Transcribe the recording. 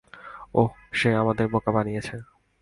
ওহ, সে আমাদের বোকা বানিয়েছে।